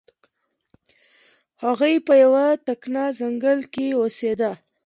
هغوی په یو تکنه ځنګل کې اوسیده.